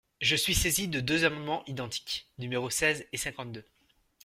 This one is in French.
Je suis saisie de deux amendements identiques, numéros seize et cinquante-deux.